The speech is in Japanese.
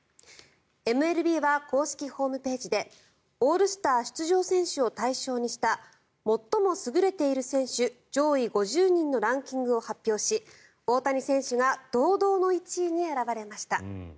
ＭＬＢは公式ホームページでオールスター出場選手を対象にした最も優れている選手上位５０人のランキングを発表し大谷選手が堂々の１位に選ばれました。